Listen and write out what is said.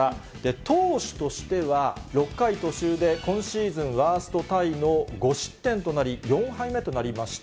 投手としては、６回途中で今シーズンワーストタイの５失点となり、４敗目となりました。